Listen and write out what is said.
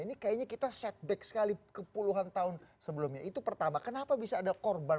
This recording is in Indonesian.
ini kayaknya kita setback sekali ke puluhan tahun sebelumnya itu pertama kenapa bisa ada korban